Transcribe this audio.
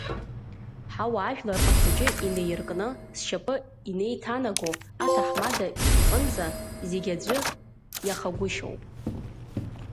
Ҳауаажәлар ахәыҷы инеиркны, зшьапы инеиҭанаго аҭаҳмада иҟынӡа, зегьы аҵәы иахагәышьоуп.